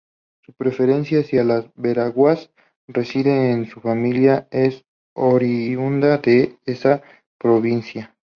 Su preferencia hacia Veraguas reside que su familia es oriunda de esa provincia.